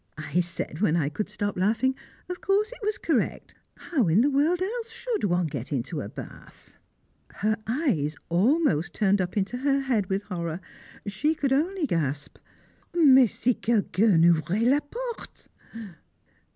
I said, when I could stop laughing, of course it was correct, how in the world else should one get into a bath? [Sidenote: The Marquis Again] Her eyes almost turned up into her head with horror; she could only gasp, "Mais si quelqu'un ouvrait la porte?"